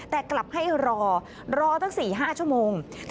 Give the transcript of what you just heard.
แต่กลับให้รอรอตั้ง๔๕ชั่วโมง